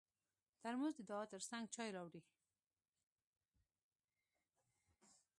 ترموز د دعا تر څنګ چای راوړي.